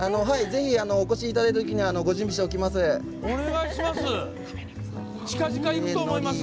ぜひお越しいただいた時にはご準備しておきます。